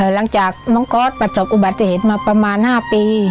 หลังจากน้องก๊อตประสบอุบัติเหตุมาประมาณ๕ปี